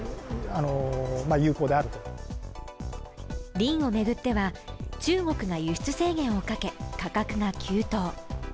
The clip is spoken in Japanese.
リンを巡っては、中国が輸出制限をかけ価格が急騰。